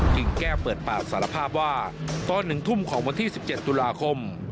กิ่งแก้วเปิดปากสารภาพว่าตอน๑ทุ่มของวันที่๑๗ตุลาคม